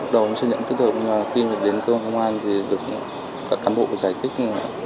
đầu xin nhận tất hợp tìm được đến cơ quan công an thì được cả cán bộ giải thích